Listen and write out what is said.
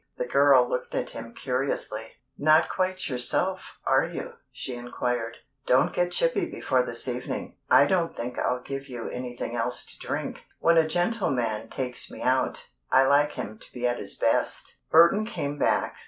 The girl looked at him curiously. "Not quite yourself, are you?" she inquired. "Don't get chippy before this evening. I don't think I'll give you anything else to drink. When a gentleman takes me out, I like him to be at his best." Burton came back.